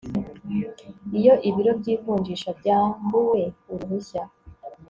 iyo ibiro by ivunjisha byambuwe uruhushya